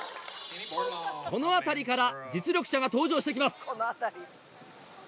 この辺りから実力者が登場してきます！